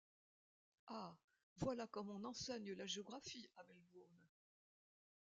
Ah! voilà comme on enseigne la géographie à Melbourne !